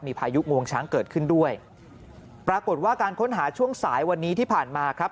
พายุงวงช้างเกิดขึ้นด้วยปรากฏว่าการค้นหาช่วงสายวันนี้ที่ผ่านมาครับ